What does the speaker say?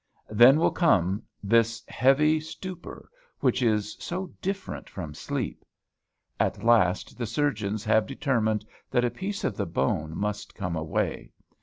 Then will come this heavy stupor which is so different from sleep. At last the surgeons have determined that a piece of the bone must come away.